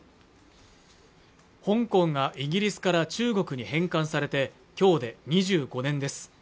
香港がイギリスから中国に返還されてきょうで２５年です